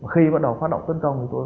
khi bắt đầu phát động tấn công